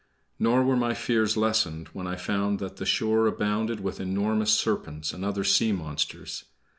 Nor were my fears lessened when I found that the shore abounded with enormous serpents and other sea monsters.